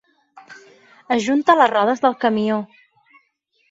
Ajunta les rodes del camió.